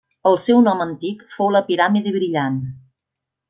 El seu nom antic fou la piràmide brillant.